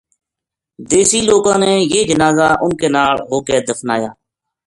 دیسی لوکاں نے یہ جنازا ان کے نال ہو کے دفنایا